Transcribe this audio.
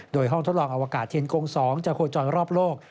โดยห้องทดลองอวกาศเทียนกง๒จะโคจรรอบโลก